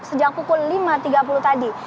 sejak pukul lima tiga puluh tadi